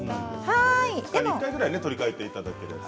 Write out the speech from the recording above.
２日に１回ぐらい取り替えていただければ。